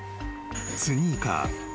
［スニーカー］